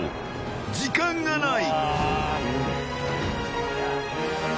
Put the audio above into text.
時間がない。